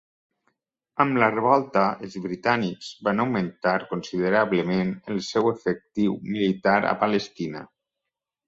Amb la revolta, els Britànics van augmentar considerablement el seu efectiu militar a Palestina.